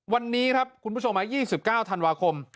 วันนี้ครับคุณผู้ชม๒๙ธันวาคม